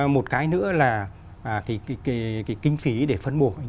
một cái nữa là cái kinh phí để phân bổ